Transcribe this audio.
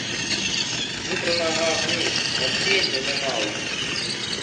Нутранога агню, натхнення няма ў іх.